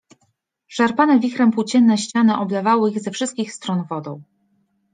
Szarpane wichrem płócienne ściany oblewały ich ze wszystkich stron wodą.